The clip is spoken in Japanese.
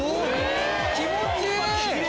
気持ちいい！